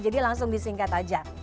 jadi langsung disingkat aja